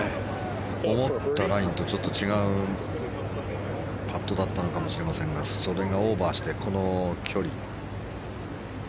思ったラインとちょっと違うパットだったのかもしれませんがそれがオーバーしてこの距離。